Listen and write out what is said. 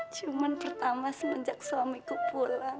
cuma pertama semenjak suamiku pulang